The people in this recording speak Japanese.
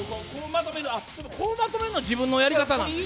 こうまとめるのは自分のやり方？